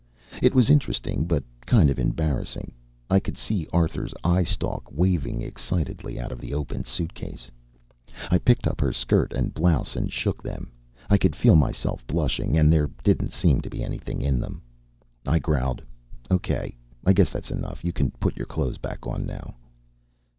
It was interesting, but kind of embarrassing. I could see Arthur's eye stalk waving excitedly out of the opened suitcase. I picked up her skirt and blouse and shook them. I could feel myself blushing, and there didn't seem to be anything in them. I growled: "Okay, I guess that's enough. You can put your clothes back on now."